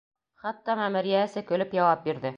Хатта мәмерйә эсе көлөп яуап бирҙе.